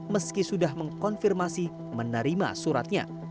meski sudah mengkonfirmasi menerima suratnya